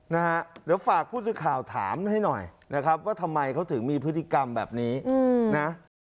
นะฮะเดี๋ยวฝากผู้สื่อข่าวถามให้หน่อยนะครับว่าทำไมเขาถึงมีพฤติกรรมแบบนี้นะ